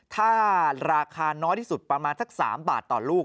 ถ้าราคาน้อยที่สุดประมาณสัก๓บาทต่อลูก